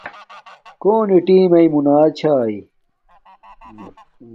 کݸنݵ ٹݵمݵئ مُتݳئݵ چھݳئݺ؟